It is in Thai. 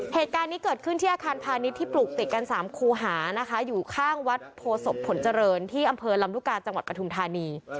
เหตุการณ์นี้เกิดขึ้นที่อาคารพาณิชย์ที่ปลูกติดกัน๓คูหานะคะอยู่ข้างวัดโพศพผลเจริญที่อำเภอลำลูกกาจังหวัดปฐุมธานี